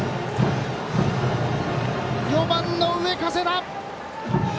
４番、上加世田。